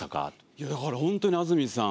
いやだから本当に安住さん